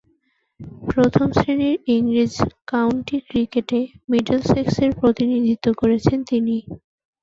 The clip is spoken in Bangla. প্রথম-শ্রেণীর ইংরেজ কাউন্টি ক্রিকেটে মিডলসেক্সের প্রতিনিধিত্ব করেছেন তিনি।